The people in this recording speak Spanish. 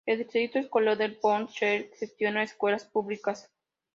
El Distrito Escolar de Port Chester gestiona escuelas públicas.